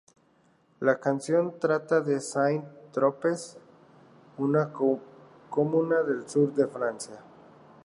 La canción trata de Saint-Tropez, una comuna del sur de Francia.